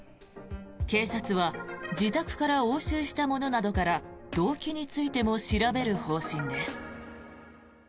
警察は自宅から押収したものなどから動機についても調べる方針です。